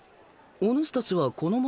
おぬしたちはこの前の。